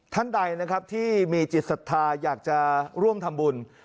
ท่านใดนะครับที่มีจิตศรัทธาอยากจะร่วมทำบุญ